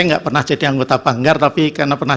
nggak pernah jadi anggota banggar tapi karena pernah